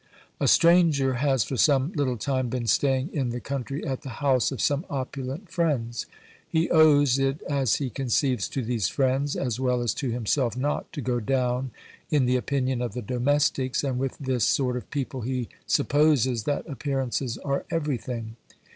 A stranger has for some little time been staying in the country at the house of some opulent friends ; he owes it, as he conceives, to these friends, as well as to himself, not to go down in the opinion of the domestics, and with this sort of people he supposes that appearances are everything.